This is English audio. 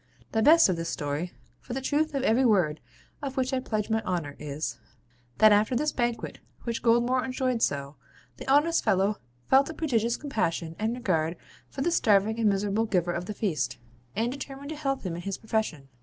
The best of this story (for the truth of every word of which I pledge my honour) is, that after this banquet, which Goldmore enjoyed so, the honest fellow felt a prodigious compassion and regard for the starving and miserable giver of the feast, and determined to help him in his profession.